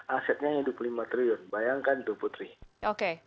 dua ribu sembilan belas asetnya rp dua puluh lima triliun bayangkan rp dua puluh tiga triliun